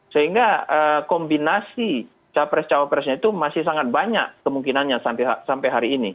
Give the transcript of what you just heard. sehingga kombinasi capres cawapresnya itu masih sangat banyak kemungkinannya sampai hari ini